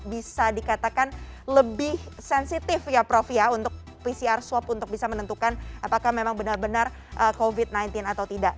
bisa dikatakan lebih sensitif ya prof ya untuk pcr swab untuk bisa menentukan apakah memang benar benar covid sembilan belas atau tidak